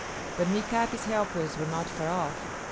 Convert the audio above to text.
But Mika´pi's helpers were not far off.